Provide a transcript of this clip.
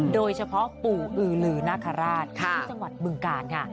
โดยเฉพาะปู่อือลือนาคาราชที่จังหวัดบึงกาลค่ะ